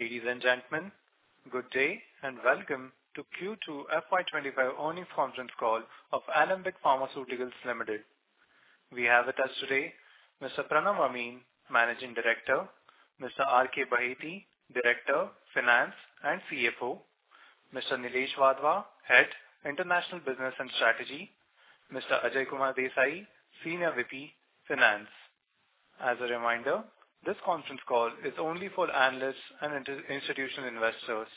Ladies and gentlemen, good day and welcome to Q2 FY25 earnings conference call of Alembic Pharmaceuticals Limited. We have with us today Mr. Pranav Amin, Managing Director, Mr. R. K. Baheti, Director, Finance and CFO, Mr. Nilesh Wadhwa, Head, International Business and Strategy, Mr. Ajay Kumar Desai, Senior VP, Finance. As a reminder, this conference call is only for analysts and institutional investors.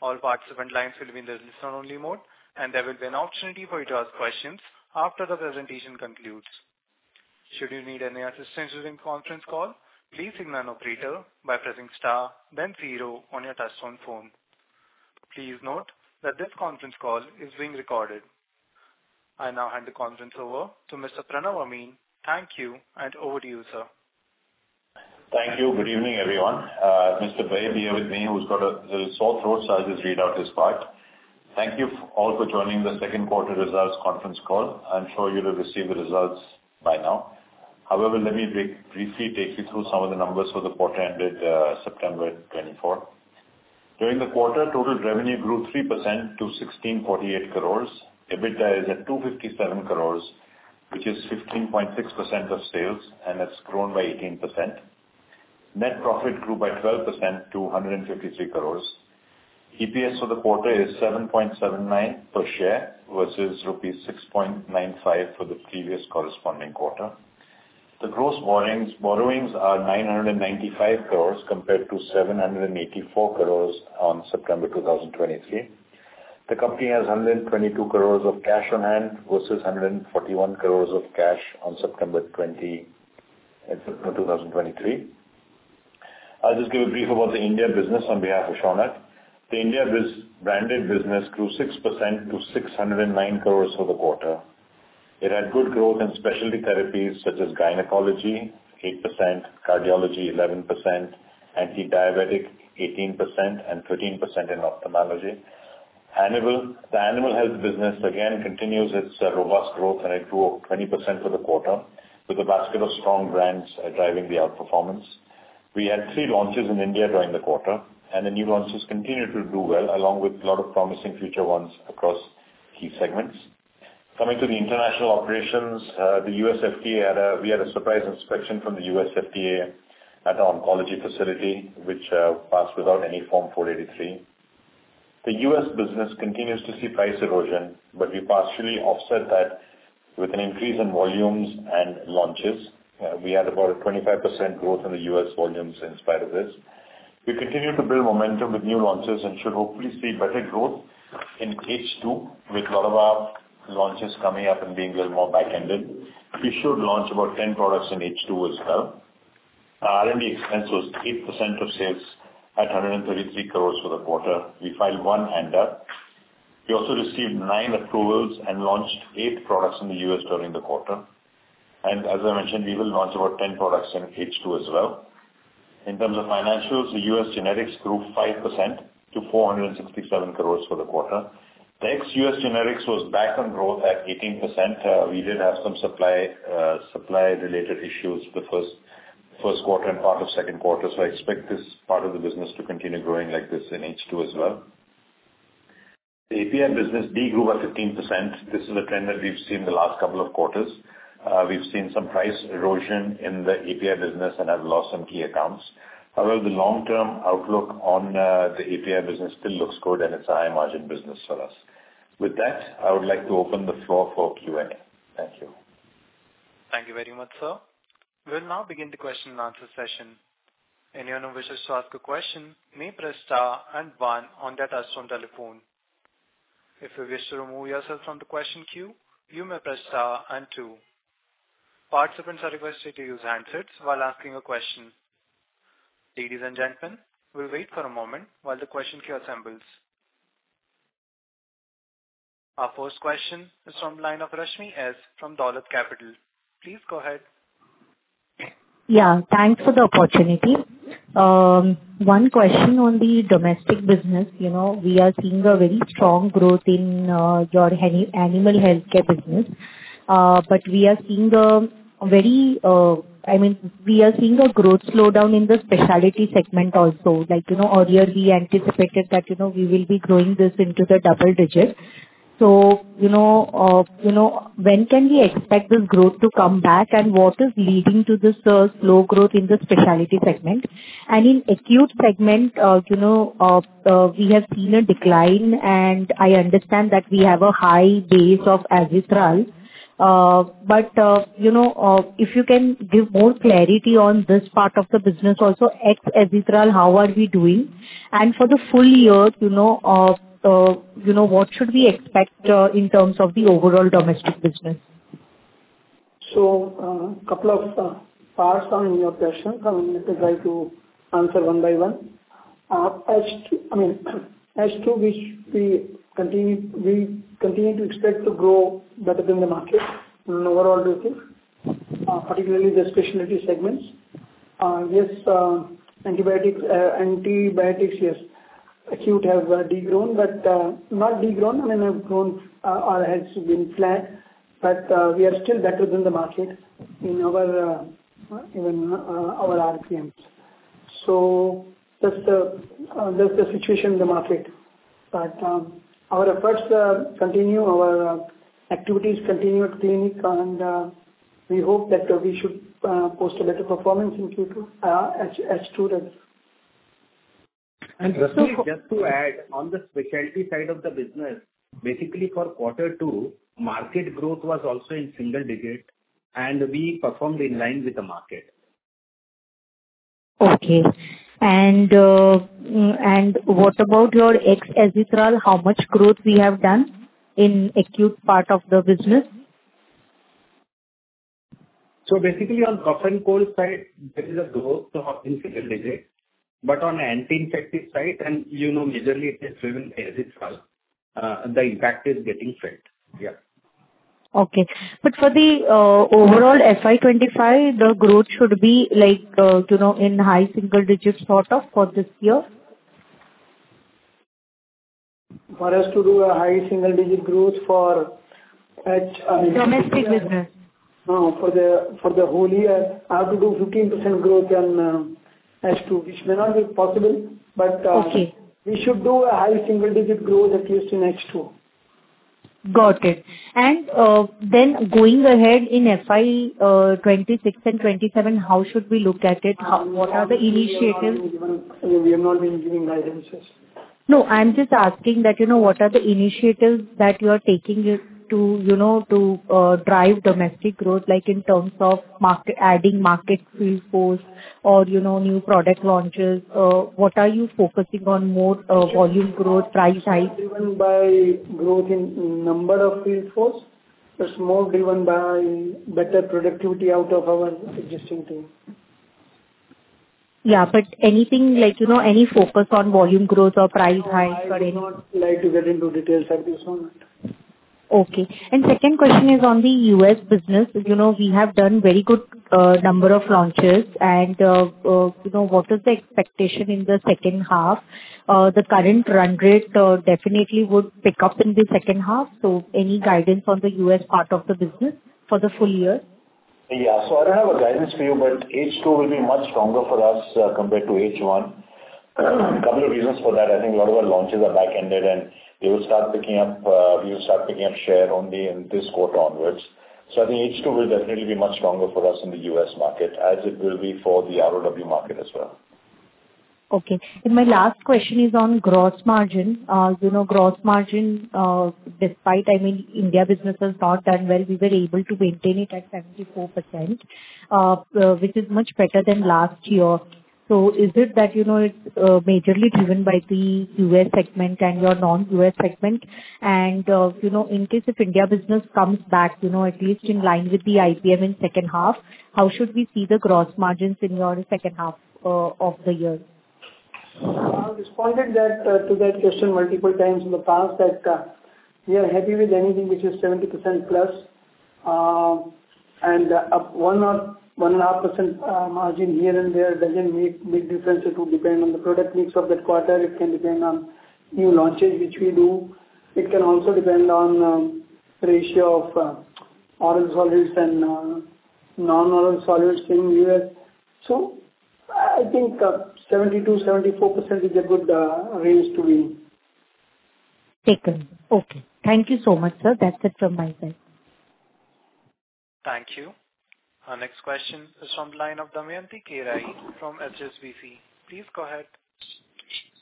All participant lines will be in the listen-only mode, and there will be an opportunity for you to ask questions after the presentation concludes. Should you need any assistance during the conference call, please signal an operator by pressing star, then zero on your touch-tone phone. Please note that this conference call is being recorded. I now hand the conference over to Mr. Pranav Amin. Thank you, and over to you, sir. Thank you. Good evening, everyone. Mr. Baheti here with me, who's got a little sore throat, so I'll just read out his part. Thank you all for joining the second quarter results conference call. I'm sure you'll have received the results by now. However, let me briefly take you through some of the numbers for the quarter-ended September 2024. During the quarter, total revenue grew 3% to 1,648 crores. EBITDA is at 257 crores, which is 15.6% of sales, and it's grown by 18%. Net profit grew by 12% to 153 crores. EPS for the quarter is 7.79 per share versus rupees 6.95 for the previous corresponding quarter. The gross borrowings are 995 crores compared to 784 crores on September 2023. The company has 122 crores of cash on hand versus 141 crores of cash on September 20, 2023. I'll just give a brief overview of the India business on behalf of Shaunak. The India branded business grew 6% to 609 crores for the quarter. It had good growth in specialty therapies such as gynecology 8%, cardiology 11%, anti-diabetic 18%, and 13% in ophthalmology. Animal health business, again, continues its robust growth, and it grew 20% for the quarter, with a basket of strong brands driving the outperformance. We had three launches in India during the quarter, and the new launches continue to do well, along with a lot of promising future ones across key segments. Coming to the international operations, we had a surprise inspection from the U.S. FDA at the oncology facility, which passed without any Form 483. The U.S. business continues to see price erosion, but we partially offset that with an increase in volumes and launches. We had about a 25% growth in the U.S. volumes in spite of this. We continue to build momentum with new launches and should hopefully see better growth in H2, with a lot of our launches coming up and being a little more back-ended. We should launch about 10 products in H2 as well. Our R&D expense was 8% of sales at 133 crores for the quarter. We filed one ANDA. We also received nine approvals and launched eight products in the U.S. during the quarter, and as I mentioned, we will launch about 10 products in H2 as well. In terms of financials, the U.S. generics grew 5% to 467 crores for the quarter. The ex-U.S. generics was back on growth at 18%. We did have some supply-related issues the first quarter and part of second quarter, so I expect this part of the business to continue growing like this in H2 as well. The API business de-grew by 15%. This is a trend that we've seen the last couple of quarters. We've seen some price erosion in the API business and have lost some key accounts. However, the long-term outlook on the API business still looks good, and it's a high-margin business for us. With that, I would like to open the floor for Q&A. Thank you. Thank you very much, sir. We'll now begin the question-and-answer session. Anyone who wishes to ask a question may press star and one on their touch-tone telephone. If you wish to remove yourself from the question queue, you may press star and two. Participants are requested to use handsets while asking a question. Ladies and gentlemen, we'll wait for a moment while the question queue assembles. Our first question is from the line of Rashmi S. from Dolat Capital. Please go ahead. Yeah. Thanks for the opportunity. One question on the domestic business. You know, we are seeing a very strong growth in your animal healthcare business, but we are seeing a very, I mean, we are seeing a growth slowdown in the specialty segment also. Like, you know, earlier we anticipated that, you know, we will be growing this into the double digits, so you know, when can we expect this growth to come back, and what is leading to this slow growth in the specialty segment? And in acute segment, you know, we have seen a decline, and I understand that we have a high base of Azithral, but you know, if you can give more clarity on this part of the business also, ex-Azithral, how are we doing? For the full year, you know, what should we expect in terms of the overall domestic business? So, a couple of parts are in your questions. I'm going to try to answer one by one. H2, I mean H2, which we continue to expect to grow better than the market on overall routine, particularly the specialty segments. Yes, antibiotics, acute have de-grown, but not de-grown. I mean, they've grown, or has been flat, but we are still better than the market in our even our RPMs. So that's the situation in the market. But our efforts continue. Our activities continue at clinic, and we hope that we should post a better performance in Q2 H2. Just to add, on the specialty side of the business, basically, for quarter two, market growth was also in single digit, and we performed in line with the market. Okay. And what about your ex-Azithral? How much growth we have done in acute part of the business? So basically, on cough and cold side, there is a growth of in single digit, but on anti-infective side, and, you know, majorly it is driven by Azithral, the impact is getting flipped. Yeah. Okay. But for the overall FY25, the growth should be, like, you know, in high single digits sort of for this year? For us to do a high single digit growth for H1. Domestic business. No, for the whole year, I have to do 15% growth on H2, which may not be possible, but, Okay. We should do a high single digit growth at least in H2. Got it. And then going ahead in FY 26 and 27, how should we look at it? How, what are the initiatives? We have not been giving guidances. No, I'm just asking that, you know, what are the initiatives that you are taking to, you know, to drive domestic growth, like, in terms of adding marketing field force or, you know, new product launches? What are you focusing on more, volume growth, price hike? Driven by growth in number of field force, but more driven by better productivity out of our existing team. Yeah, but anything, like, you know, any focus on volume growth or price hikes or any? I would not like to get into details at this moment. Okay. And second question is on the U.S. business. You know, we have done very good, number of launches, and, you know, what is the expectation in the second half? The current run rate definitely would pick up in the second half. So any guidance on the U.S. part of the business for the full year? Yeah. So I don't have a guidance for you, but H2 will be much stronger for us, compared to H1. A couple of reasons for that. I think a lot of our launches are back-ended, and they will start picking up, we will start picking up share only in this quarter onwards. So I think H2 will definitely be much stronger for us in the U.S. market, as it will be for the ROW market as well. Okay. And my last question is on gross margin. You know, gross margin, despite, I mean, India business has not done well, we were able to maintain it at 74%, which is much better than last year. So is it that, you know, it's majorly driven by the U.S. segment and your non-U.S. segment? And, you know, in case if India business comes back, you know, at least in line with the IPM in second half of the year? Responding that to that question multiple times in the past that we are happy with anything which is 70% plus. And up 1% or 1.5% margin here and there doesn't make big difference. It would depend on the product mix of that quarter. It can depend on new launches which we do. It can also depend on ratio of oral solids and non-oral solids in the U.S. So I think 72%-74% is a good range to be in. Okay. Thank you so much, sir. That's it from my side. Thank you. Our next question is from the line of Damayanti Kerai from HSBC. Please go ahead.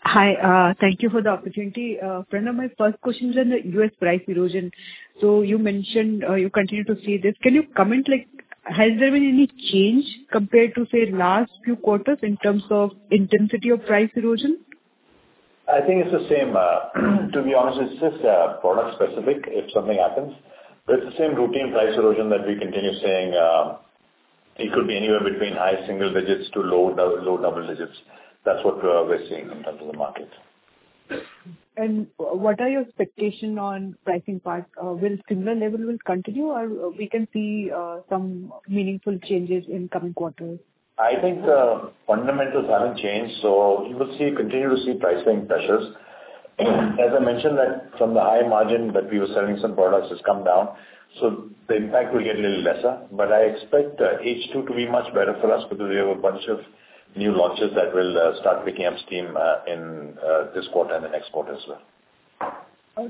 Hi. Thank you for the opportunity. Pranav, my first question is on the U.S. price erosion. So you mentioned, you continue to see this. Can you comment, like, has there been any change compared to, say, last few quarters in terms of intensity of price erosion? I think it's the same. To be honest, it's just product-specific if something happens. But it's the same routine price erosion that we continue seeing. It could be anywhere between high single digits to low double digits. That's what we're seeing in terms of the market. And what are your expectations on pricing part? Will similar level continue, or we can see some meaningful changes in coming quarters? I think fundamentals haven't changed, so you will see continued pricing pressures. As I mentioned, the high margin from which we were selling some products has come down, so the impact will get a little lesser. I expect H2 to be much better for us because we have a bunch of new launches that will start picking up steam in this quarter and the next quarter as well.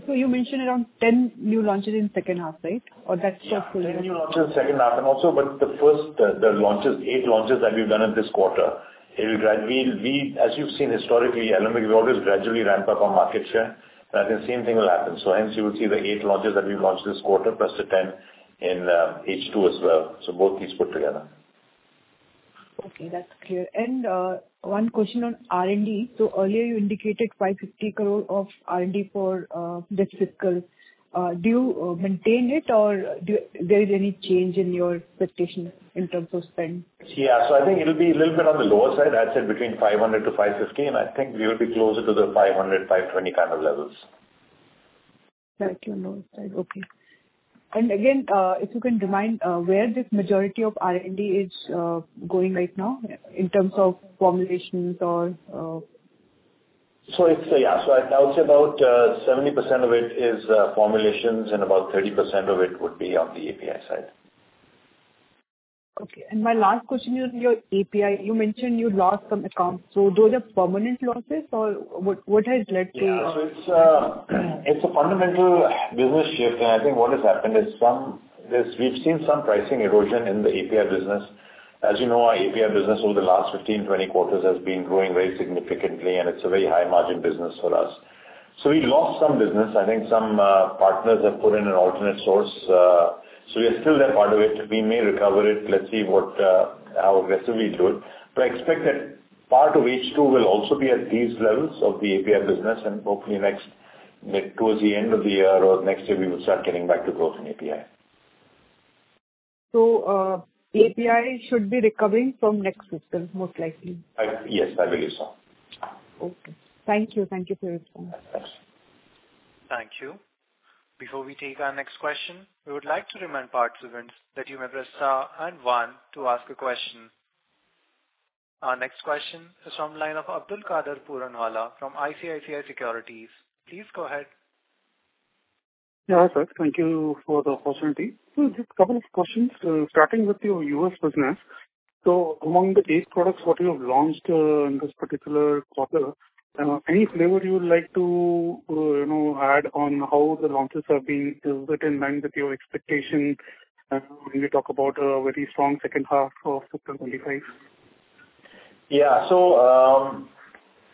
So you mentioned around 10 new launches in second half, right? Or that's just the- 10 new launches in second half, and also, but the first, the launches, eight launches that we've done in this quarter, it will gradually, we, as you've seen historically, Alembic, we always gradually ramp up our market share. I think the same thing will happen. Hence, you will see the eight launches that we've launched this quarter plus the 10 in H2 as well. Both these put together. Okay. That's clear. And one question on R&D. So earlier you indicated 550 crore of R&D for this cycle. Do you maintain it, or do you, there is any change in your expectation in terms of spend? Yeah. So I think it'll be a little bit on the lower side, I'd say between 500-550, and I think we will be closer to the 500, 520 kind of levels. Like your lower side. Okay. And again, if you can remind, where this majority of R&D is going right now in terms of formulations or, So it's yeah. So I'd say about 70% of it is formulations, and about 30% of it would be on the API side. Okay. And my last question is on your API. You mentioned you lost some accounts. So those are permanent losses, or what, what has led to? Yeah. So it's, it's a fundamental business shift, and I think what has happened is some, there's, we've seen some pricing erosion in the API business. As you know, our API business over the last 15, 20 quarters has been growing very significantly, and it's a very high-margin business for us. So we lost some business. I think some partners have put in an alternate source, so we are still a part of it. We may recover it. Let's see what, how aggressively we do it. But I expect that part of H2 will also be at these levels of the API business, and hopefully next, towards the end of the year or next year, we will start getting back to growth in API. So, API should be recovering from next semester most likely? Yes, I believe so. Okay. Thank you. Thank you for your time. Thanks. Thank you. Before we take our next question, we would like to remind participants that you may press star and one to ask a question. Our next question is from the line of Abdulkader Puranwala from ICICI Securities. Please go ahead. Yeah, sir. Thank you for the opportunity. So just a couple of questions. Starting with your U.S. business, so among the eight products that you have launched in this particular quarter, any flavor you would like to, you know, add on how the launches have been? Is it in line with your expectation when we talk about a very strong second half of September 25? Yeah. So,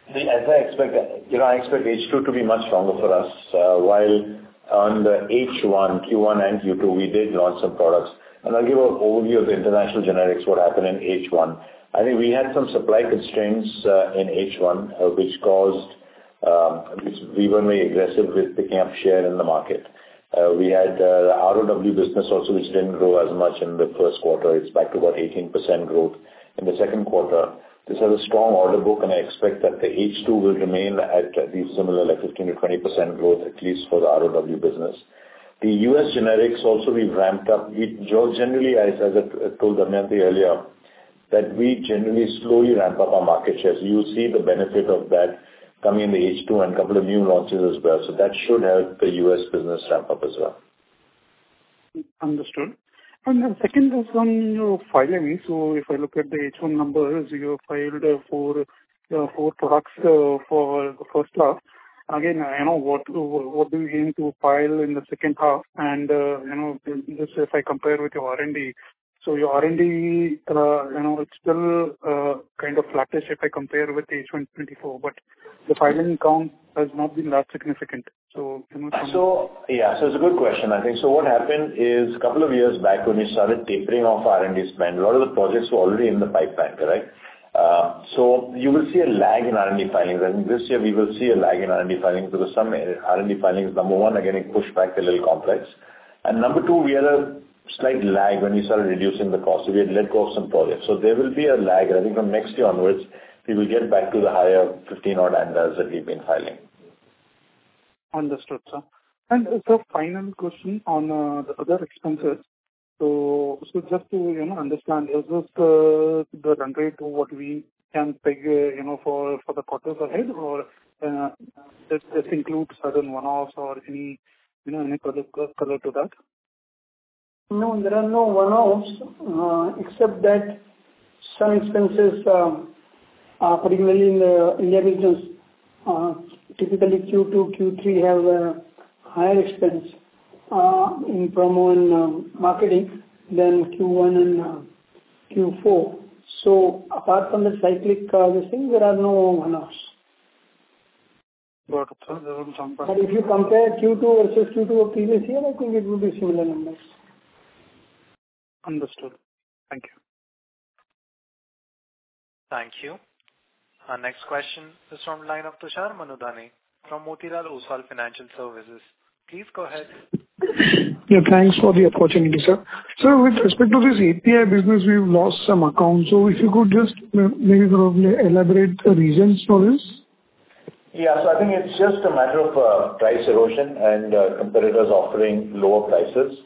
as I expected, you know, I expect H2 to be much stronger for us. While on the H1, Q1, and Q2, we did launch some products. And I'll give an overview of the international generics, what happened in H1. I think we had some supply constraints in H1, which caused, which we were very aggressive with picking up share in the market. We had the ROW business also, which didn't grow as much in the first quarter. It's back to about 18% growth in the second quarter. This has a strong order book, and I expect that the H2 will remain at these similar like 15%-20% growth, at least for the ROW business. The U.S. generics also, we've ramped up. We generally, as I told Damayanti earlier, that we generally slowly ramp up our market share. So you'll see the benefit of that coming in the H2 and a couple of new launches as well. So that should help the U.S. business ramp up as well. Understood. And the second is on your filing. So if I look at the H1 numbers, you filed for four products for the first half. Again, you know, what do you aim to file in the second half? And, you know, just if I compare with your R&D, so your R&D, you know, it's still kind of flattish if I compare with the H1 FY24, but the filing count has not been that significant. So, you know, some. So yeah. So it's a good question, I think. So what happened is a couple of years back when we started tapering off R&D spend, a lot of the projects were already in the pipeline, correct? So you will see a lag in R&D filings. I think this year we will see a lag in R&D filings because some R&D filings, number one, are getting pushed back a little complex. And number two, we had a slight lag when we started reducing the cost. So we had let go of some projects. So there will be a lag, and I think from next year onwards, we will get back to the higher 15-odd ANDAs that we've been filing. Understood, sir. And, sir, final question on, the other expenses. So, so just to, you know, understand, is this, the run rate what we can peg, you know, for, for the quarters ahead, or, does this include certain one-offs or any, you know, any color to that? No, there are no one-offs, except that some expenses, particularly in the India business, typically Q2, Q3 have a higher expense in promo and marketing than Q1 and Q4. So apart from the cyclical these things, there are no one-offs. Got it, sir. There isn't some question. But if you compare Q2 versus Q2 of previous year, I think it will be similar numbers. Understood. Thank you. Thank you. Our next question is from the line of Tushar Manudhane from Motilal Oswal Financial Services. Please go ahead. Yeah. Thanks for the opportunity, sir. Sir, with respect to this API business, we've lost some accounts. So if you could just maybe sort of elaborate the reasons for this? Yeah. So I think it's just a matter of price erosion and competitors offering lower prices.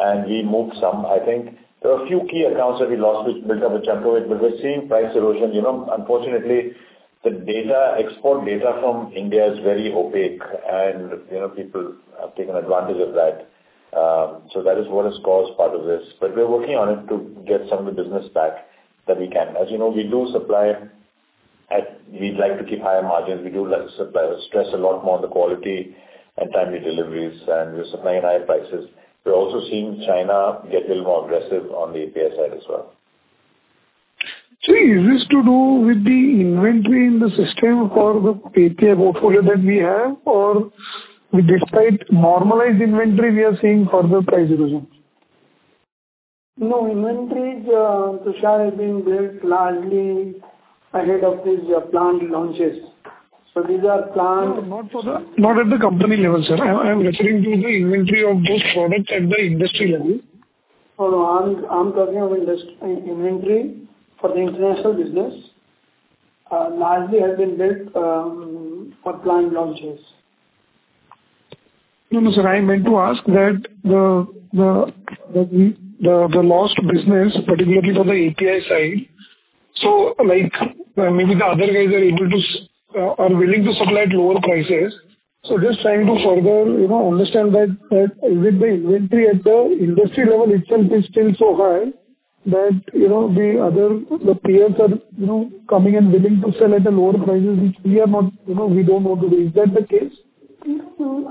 And we moved some, I think. There are a few key accounts that we lost, which built up a chunk of it, but we're seeing price erosion. You know, unfortunately, the data export data from India is very opaque, and, you know, people have taken advantage of that. So that is what has caused part of this. But we're working on it to get some of the business back that we can. As you know, we do supply. We'd like to keep higher margins. We do like to stress a lot more on the quality and timely deliveries, and we're supplying higher prices. We're also seeing China get a little more aggressive on the API side as well. So is this to do with the inventory in the system for the API portfolio that we have, or despite normalized inventory, we are seeing further price erosion? No, inventories, Tushar has been built largely ahead of these planned launches. So these are planned. No, not at the company level, sir. I'm referring to the inventory of those products at the industry level. Oh, no. I'm talking of industry inventory for the international business, largely has been built, for planned launches. No, no, sir. I meant to ask that the lost business, particularly for the API side. So, like, maybe the other guys are able to are willing to supply at lower prices. So just trying to further, you know, understand that, that is it the inventory at the industry level itself is still so high that, you know, the other peers are, you know, coming and willing to sell at a lower price, which we are not, you know, we don't want to do. Is that the case? No, no, no.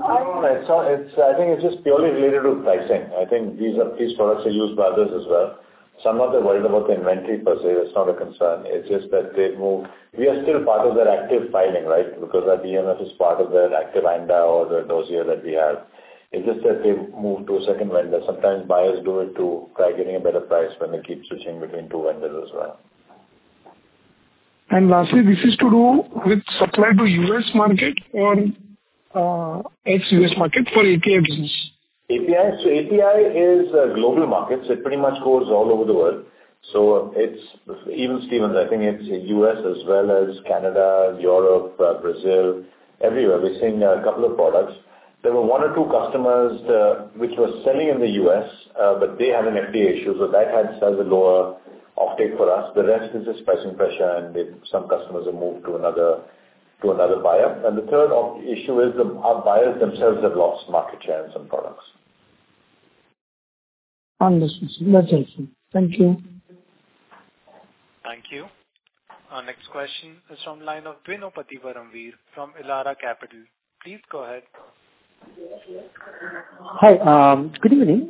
It's not. It's, I think, just purely related to pricing. I think these products are used by others as well. Some of them worried about the inventory per se. That's not a concern. It's just that they've moved. We are still part of their active filing, right, because that DMF is part of their active ANDA or the dossier that we have. It's just that they've moved to a second vendor. Sometimes buyers do it to try getting a better price when they keep switching between two vendors as well. Lastly, this is to do with supply to U.S. market or ex-U.S. market for API business? So API is a global market, so it pretty much goes all over the world. So it's even stevens. I think it's U.S. as well as Canada, Europe, Brazil, everywhere. We're seeing a couple of products. There were one or two customers, which were selling in the U.S., but they had an FDA issue, so that had slightly lower offtake for us. The rest is just pricing pressure, and then some customers have moved to another buyer. And the third issue is our buyers themselves have lost market share in some products. Understood. That's helpful. Thank you. Thank you. Our next question is from the line of Bino Pathiparampil from Elara Capital. Please go ahead. Hi. Good evening.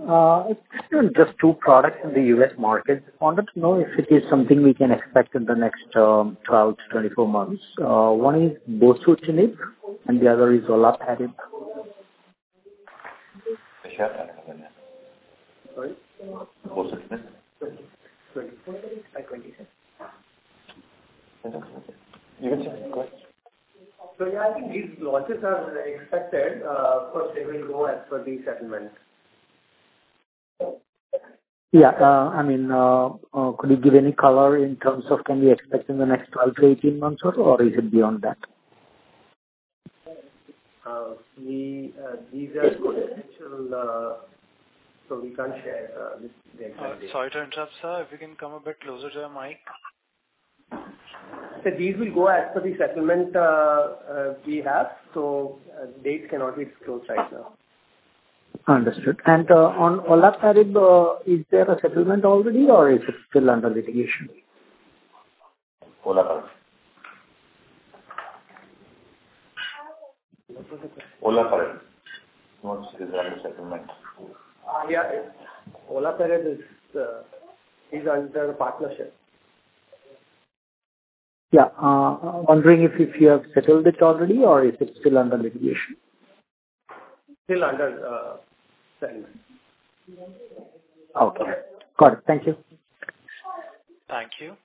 It's just two products in the U.S. market. Wanted to know if it is something we can expect in the next 12-24 months. One is bosutinib, and the other is olaparib. I don't have it in there. Sorry? You can say. Go ahead. So yeah, I think these launches are expected, of course, they will go as per the settlement. Yeah. I mean, could you give any color in terms of can we expect in the next 12-18 months or, or is it beyond that? These are potential, so we can't share the exact date. Sorry to interrupt, sir. If you can come a bit closer to the mic. So these will go as per the settlement we have. So, dates cannot be disclosed right now. Understood. And, on olaparib, is there a settlement already, or is it still under litigation? Olaparib. Olaparib. What is under settlement? Yeah. Olaparib is under partnership. Yeah. Wondering if you have settled it already, or is it still under litigation? Still under settlement. Okay. Got it. Thank you. Thank you.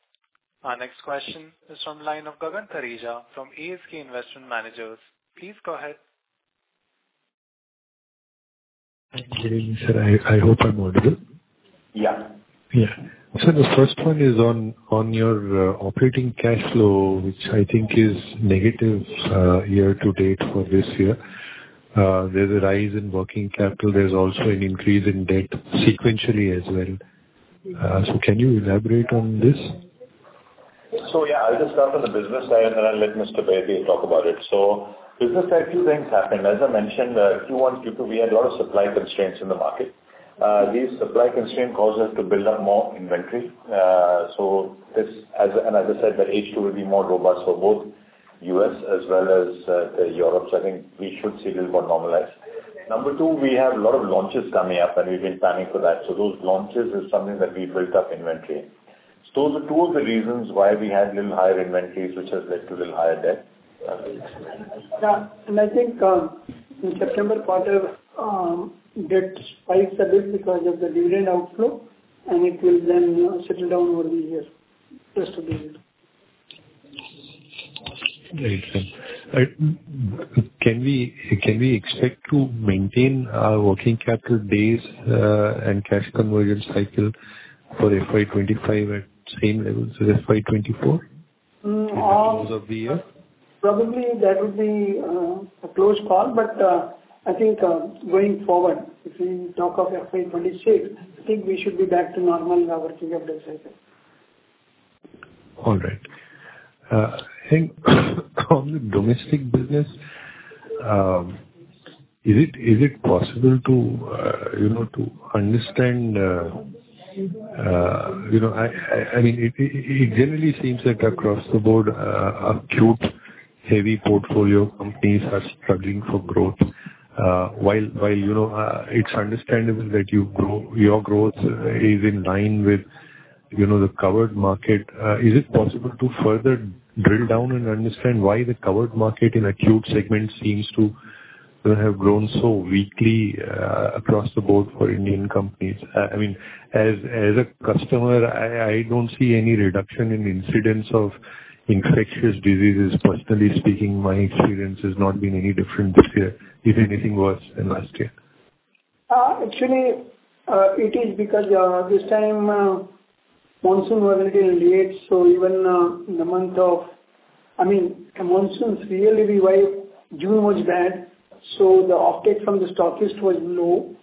Our next question is from the line of Gagan Thareja from ASK Investment Managers. Please go ahead. Good evening, sir. I hope I'm audible. Yeah. Yeah. So the first one is on your operating cash flow, which I think is negative year to date for this year. There's a rise in working capital. There's also an increase in debt sequentially as well. So can you elaborate on this? So yeah, I'll just start on the business side, and then I'll let Mr. Baheti talk about it. So business side, a few things happened. As I mentioned, Q1, Q2, we had a lot of supply constraints in the market. These supply constraints caused us to build up more inventory. So this, as I said, that H2 will be more robust for both U.S. as well as Europe. So I think we should see a little more normalized. Number two, we have a lot of launches coming up, and we've been planning for that. So those launches is something that we built up inventory. So those are two of the reasons why we had a little higher inventories, which has led to a little higher debt. Yeah, and I think, in September quarter, debt spikes a bit because of the dividend outflow, and it will then, you know, settle down over the year just a bit. Very good. Can we expect to maintain working capital days and cash conversion cycle for FY25 at same levels as FY24 in terms of the year? Probably that would be a close call, but I think, going forward, if we talk of FY26, I think we should be back to normal working capital cycle. All right. I think on the domestic business, is it possible to, you know, to understand, you know, I mean, it generally seems that across the board, acute-heavy portfolio companies are struggling for growth, while, you know, it's understandable that your growth is in line with, you know, the covered market. Is it possible to further drill down and understand why the covered market in acute segments seems to have grown so weakly, across the board for Indian companies? I mean, as a customer, I don't see any reduction in incidence of infectious diseases. Personally speaking, my experience has not been any different this year, if anything worse than last year. Actually, it is because this time monsoon was a little late. So even the month of, I mean, the monsoon's really revived. June was bad. So the offtake from the stockist was low.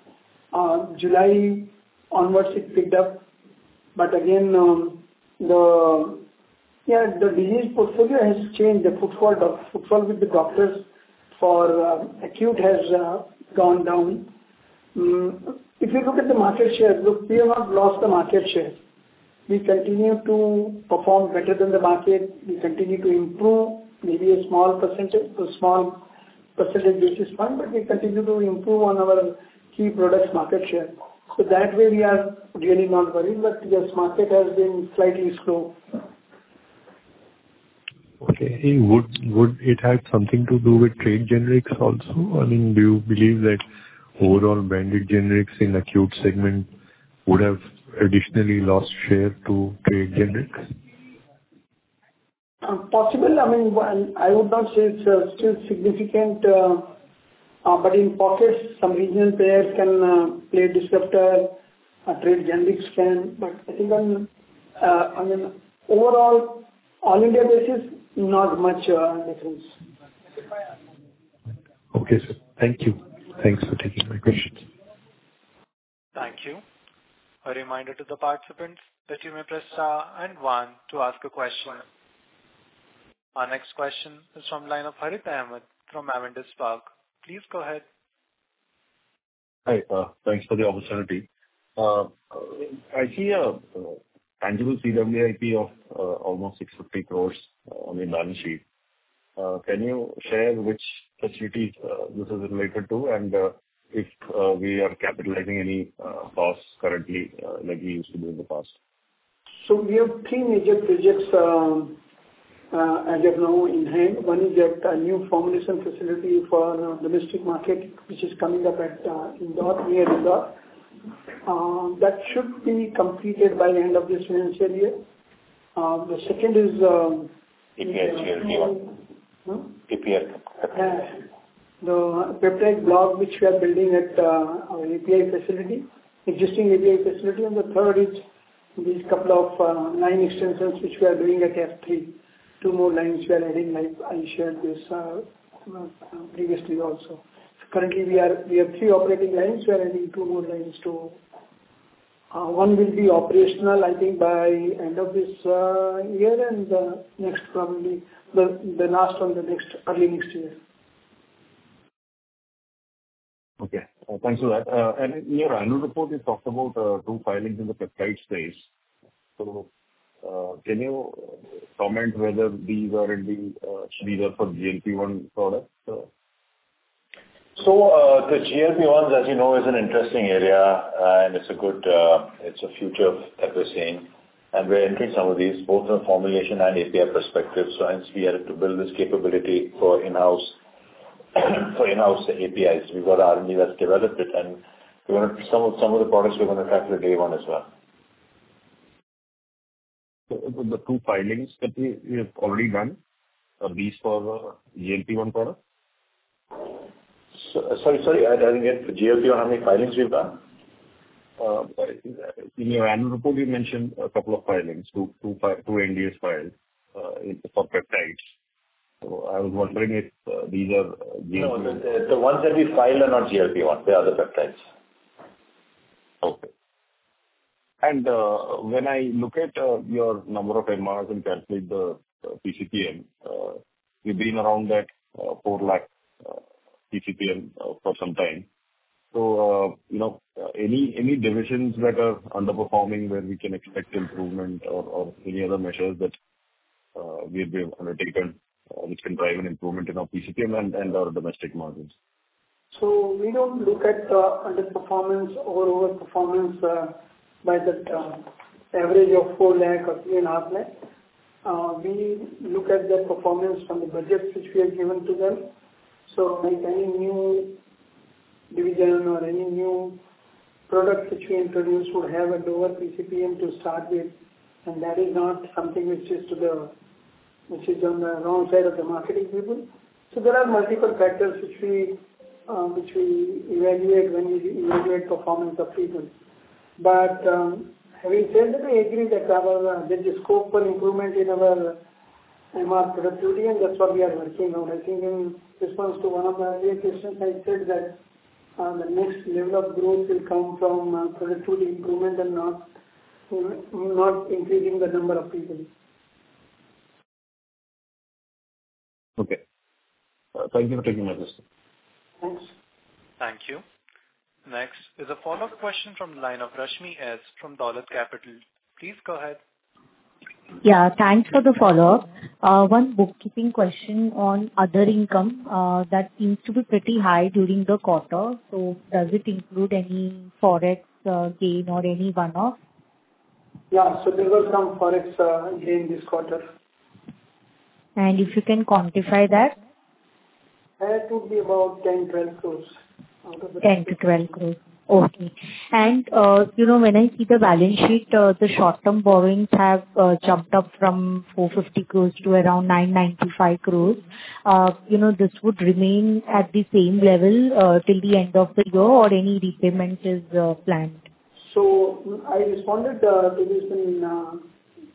July onwards, it picked up. But again, the, yeah, the disease portfolio has changed. The footfall, the footfall with the doctors for acute has gone down. If you look at the market share, look, we have not lost the market share. We continue to perform better than the market. We continue to improve, maybe a small percentage, a small percentage basis point, but we continue to improve on our key products' market share. So that way, we are really not worried, but yes, market has been slightly slow. Okay. Would it have something to do with trade generics also? I mean, do you believe that overall branded generics in acute segment would have additionally lost share to trade generics? Possible. I mean, well, I would not say it's still significant, but in pockets, some regional players can play disruptor. Trade generics can. But I think, I mean, overall, all India basis, not much difference. Okay, sir. Thank you. Thanks for taking my questions. Thank you. A reminder to the participants, that you may press star and one to ask a question. Our next question is from the line of Harith Ahamed from Avendus Spark. Please go ahead. Hi, thanks for the opportunity. I see a tangible CWIP of almost 650 crores on the balance sheet. Can you share which facilities this is related to, and if we are capitalizing any costs currently, like we used to do in the past? So we have three major projects, as of now in hand. One is that a new formulation facility for domestic market, which is coming up Indore. That should be completed by the end of this financial year. The second is. API, GLP-1. Huh? API. The peptide block, which we are building at our existing API facility. And the third is these couple of line extensions which we are doing at F3. Two more lines we are adding, like I shared this previously also. Currently, we have three operating lines. We are adding two more lines to; one will be operational, I think, by end of this year and next probably the last one the next early next year. Okay. Thanks for that. In your annual report, you talked about two filings in the peptide space. So, can you comment whether these are in the, these are for GLP-1 products? So, the GLP-1s, as you know, is an interesting area, and it's a good future that we're seeing. And we're entering some of these both from formulation and API perspective. So hence, we had to build this capability for in-house APIs. We've got an army that's developed it, and we're going to some of the products we're going to tackle at day one as well. The two filings that we have already done, these for GLP-1 products? So, sorry. I didn't get the GLP, how many filings we've done? In your annual report, you mentioned a couple of filings, two NDAs filed, for peptides. I was wondering if these are GLP. No, the ones that we filed are not GLP-1. They are the peptides. Okay. And when I look at your number of MRs and calculate the PCPM, we've been around that 4 lakh PCPM for some time. So you know, any any divisions that are underperforming where we can expect improvement or or any other measures that we have undertaken, which can drive an improvement in our PCPM and and our domestic markets? So we don't look at underperformance or overperformance by that average of four lakh or three and a half lakh. We look at the performance from the budgets which we have given to them. So like any new division or any new product which we introduce would have a lower PCPM to start with, and that is not something which is on the wrong side of the marketing table. So there are multiple factors which we evaluate when we evaluate performance of people. But having said that, I agree that there is scope for improvement in our MR productivity, and that's what we are working on. I think in response to one of my earlier questions, I said that the next level of growth will come from productivity improvement and not increasing the number of people. Okay. Thank you for taking my question. Thanks. Thank you. Next is a follow-up question from the line of Rashmi S. from Dolat Capital. Please go ahead. Yeah. Thanks for the follow-up. One bookkeeping question on other income, that seems to be pretty high during the quarter. So, does it include any forex gain or any one-off? Yeah, so there were some forex gain this quarter. If you can quantify that? It would be about 10-12 crores out of the. 10-12 crores. Okay, and you know, when I see the balance sheet, the short-term borrowings have jumped up from 450 crores to around 995 crores. You know, this would remain at the same level till the end of the year or any repayment is planned? I responded to this in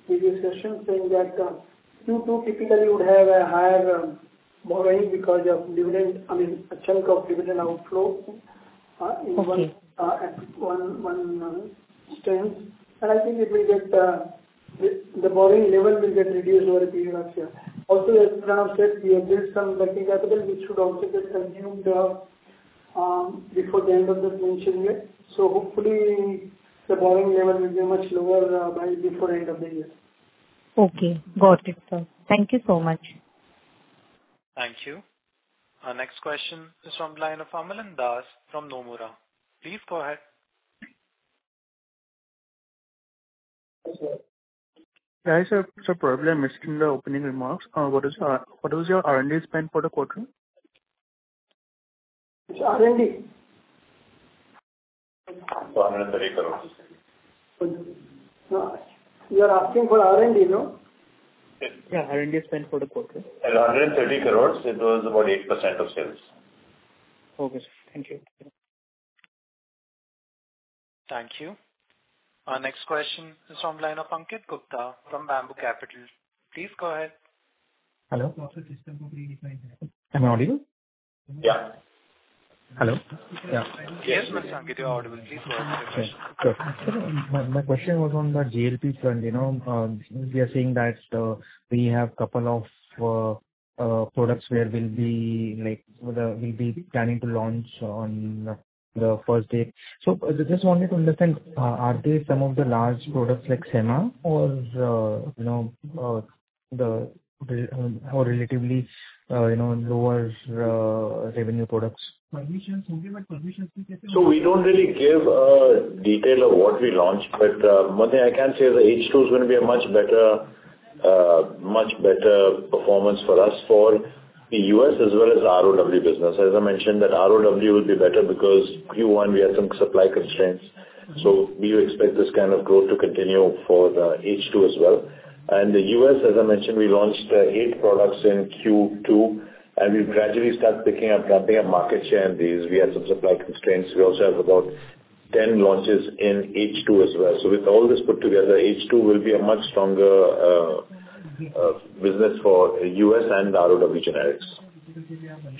previous session saying that Q2 typically would have higher borrowing because of dividend. I mean, a chunk of dividend outflow in one tranche. I think the borrowing level will get reduced over a period of year. Also, as Pranav said, we have built some working capital which would also get consumed before the end of the financial year. Hopefully, the borrowing level will be much lower by the end of the year. Okay. Got it, sir. Thank you so much. Thank you. Our next question is from the line of Amlan Das from Nomura. Please go ahead. Yeah, sir, so probably I missed in the opening remarks. What was your R&D spend for the quarter? Which R&D? INR 130 crores. You are asking for R&D, no? Yeah. R&D spent for the quarter? At INR 130 crores, it was about 8% of sales. Okay, sir. Thank you. Thank you. Our next question is from the line of Ankit Gupta from Bamboo Capital. Please go ahead. Hello. Am I audible? Yeah. Hello? Yeah. Yes, sir, I can hear you audibly. Please go ahead. Sure. Sure. Sir, my question was on the GLP-1, you know. We are seeing that we have a couple of products where we'll be, like, planning to launch on the first date. So I just wanted to understand, are they some of the large products like Sema or, you know, the, or relatively, you know, lower revenue products? So we don't really give detail of what we launched, but one thing I can say the H2 is going to be a much better, much better performance for us for the U.S. as well as ROW business. As I mentioned, the ROW will be better because Q1 we had some supply constraints. So we expect this kind of growth to continue for the H2 as well. And the U.S., as I mentioned, we launched eight products in Q2, and we gradually start picking up, ramping up market share in these. We had some supply constraints. We also have about 10 launches in H2 as well. So with all this put together, H2 will be a much stronger business for U.S. and ROW generics.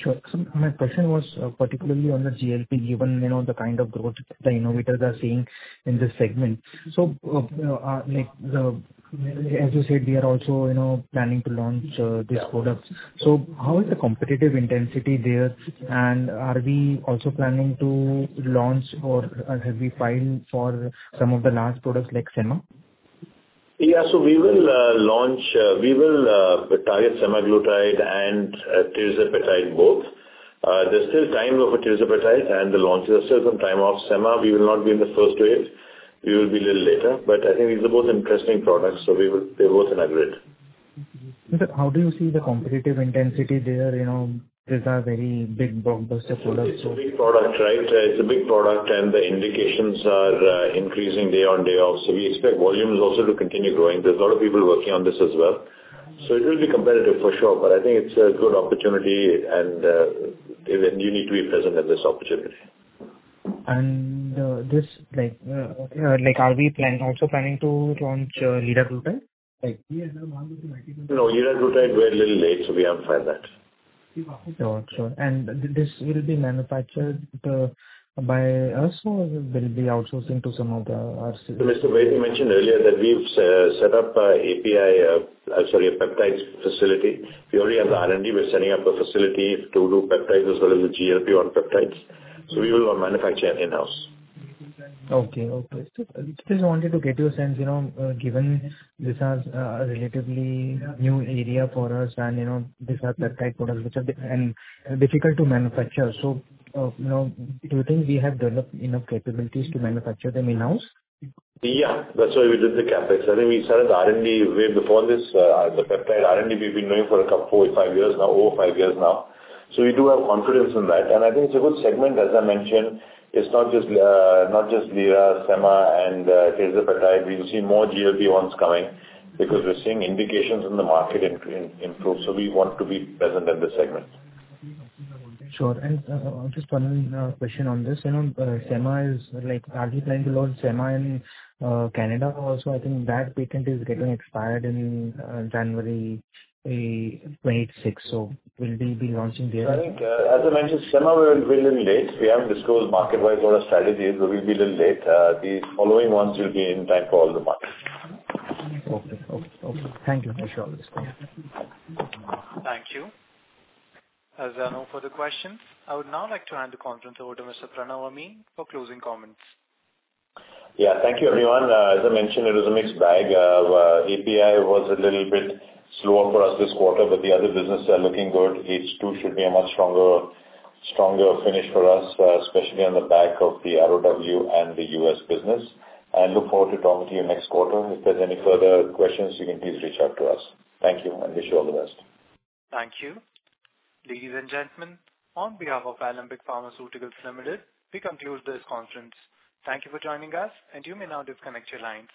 Sure. So, my question was particularly on the GLP-1 given, you know, the kind of growth the innovators are seeing in this segment. So, like the, as you said, we are also, you know, planning to launch, these products. So how is the competitive intensity there? And are we also planning to launch or have we filed for some of the large products like Sema? Yeah, so we will launch. We will target semaglutide and tirzepatide both. There's still time for tirzepatide and the launches are still some time off Sema. We will not be in the first wave. We will be a little later. But I think these are both interesting products, so we will. They're both in aggregate. Mr., how do you see the competitive intensity there? You know, these are very big blockbuster products. It's a big product, right? It's a big product, and the indications are increasing day by day. So we expect volumes also to continue growing. There's a lot of people working on this as well. So it will be competitive for sure, but I think it's a good opportunity, and you need to be present at this opportunity. This, like, are we also planning to launch Liraglutide? Like. No. Liraglutide, we're a little late, so we haven't filed that. Sure, sure. And this will be manufactured, by us or will be outsourcing to some of the RCs? So, Mr. Baheti, you mentioned earlier that we've set up API, sorry, a peptides facility. We already have the R&D. We're setting up a facility to do peptides as well as the GLP-1 peptides. So we will manufacture in-house. Okay, okay. Just wanted to get your sense, you know, given this is a relatively new area for us and, you know, these are peptide products which are different and difficult to manufacture. So, you know, do you think we have developed enough capabilities to manufacture them in-house? Yeah. That's why we did the CapEx. I think we started the R&D way before this, the peptide R&D. We've been doing it for a couple four, five years now, over five years now. So we do have confidence in that. And I think it's a good segment, as I mentioned. It's not just, not just lira, Sema, and tirzepatide. We'll see more GLP-1s coming because we're seeing indications in the market improve. So we want to be present in this segment. Sure, and I'm just following a question on this. You know, Sema is like are we planning to launch Sema in Canada also? I think that patent is getting expired in January 26th, so will we be launching there as well? I think, as I mentioned, Sema we're a little late. We haven't disclosed market-wise what our strategy is, but we'll be a little late. These following ones will be in time for all the markets. Okay, okay, okay. Thank you for sharing all this. Thank you. Thank you. As I know for the questions, I would now like to hand the conference over to Mr. Pranav Amin for closing comments. Yeah. Thank you, everyone. As I mentioned, it was a mixed bag. API was a little bit slower for us this quarter, but the other businesses are looking good. H2 should be a much stronger, stronger finish for us, especially on the back of the ROW and the U.S. business. I look forward to talking to you next quarter. If there's any further questions, you can please reach out to us. Thank you, and wish you all the best. Thank you. Ladies and gentlemen, on behalf of Alembic Pharmaceuticals Limited, we conclude this conference. Thank you for joining us, and you may now disconnect your lines.